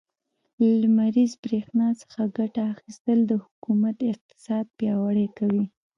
له لمريزې برښنا څخه ګټه اخيستل, د حکومت اقتصاد پياوړی کوي.